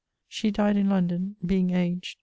She dyed in London ... being aged